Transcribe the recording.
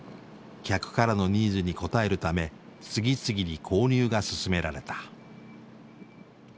客からのニーズに応えるため次々に購入が進められた。